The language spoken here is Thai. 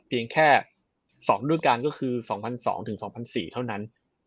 เพียงแค่๒รุ่นการก็คือ๒๐๐๒๒๐๐๔๐๐เท่านั้น